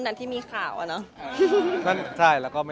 ก็ที่ที่ตะวันนี้ตรงนั้นเลยค่ะ